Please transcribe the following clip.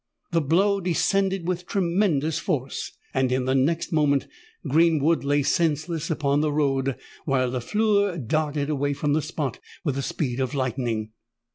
The blow descended with tremendous force: and in the next moment Greenwood lay senseless on the road, while Lafleur darted away from the spot with the speed of lightning.